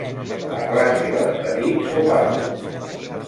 La classe dels petits o pàrvuls.